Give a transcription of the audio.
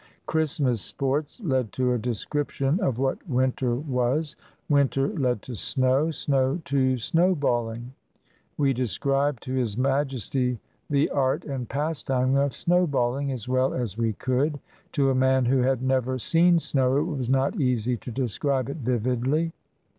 Christmas sports led to a description of what winter was; winter led to snow; snow to snowballing. We de scribed to His Majesty the art and pastime of snow balling as well as we could. To a man who had never seen snow it was not easy to describe it vividly.